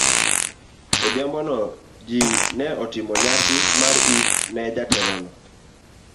Odhiambono, ji ne otimo nyasi mar yik ne jatelono.